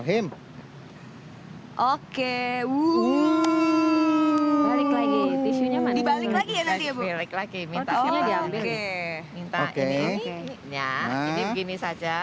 ini begini saja